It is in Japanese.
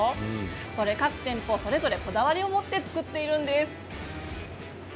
これ各店舗それぞれこだわりを持って作っているんです。